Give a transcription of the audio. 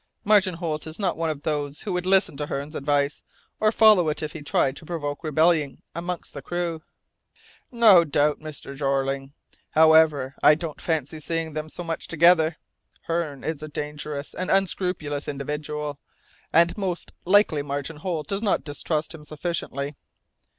'' "Martin Holt is not one of those who would listen to Hearne's advice, or follow it if he tried to provoke rebellion amongst the crew." "No doubt, Mr. Jeorling. However, I don't fancy seeing them so much together. Hearne is a dangerous and unscrupulous individual, and most likely Martin Holt does not distrust him sufficiently."